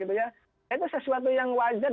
itu sesuatu yang wajar